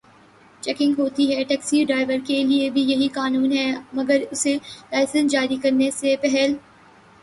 Checking ہوتی ہے۔ Taxi driver کے لیے بھی یہی قانون ہے مگر اسے لائسنس جاری کرنے سے پہل